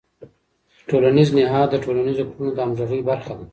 ټولنیز نهاد د ټولنیزو کړنو د همغږۍ برخه ده.